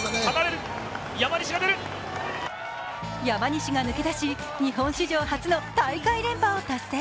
山西が抜け出し日本史上初の大会連覇を達成。